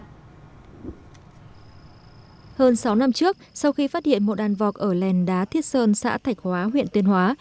hơn sáu năm trước sau khi phát hiện một đàn vọc ở lèn đá thiết sơn xã thạch hóa huyện tuyên hóa